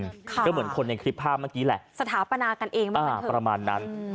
ก็เหมือนคนในคลิปภาพเมื่อกี้แหละสถาปนากันเองบ้างประมาณนั้น